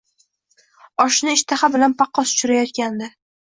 Oshni ishtaha bilan paqqos tushirayotgandi.